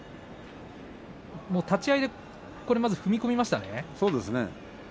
立ち合いで踏み込みましたね。